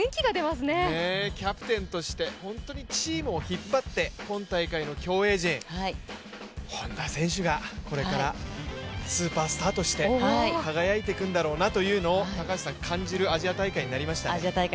キャプテンとして本当にチームを引っ張って今大会の競泳陣本多選手が、これからスーパースターとして輝いていくんだろうなというのを感じるアジア大会になりましたね。